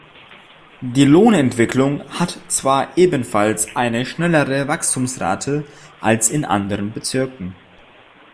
Die Lohnentwicklung hat zwar ebenfalls eine schnellere Wachstumsrate als in anderen Bezirken.